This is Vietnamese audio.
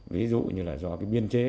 ví dụ như do biên chế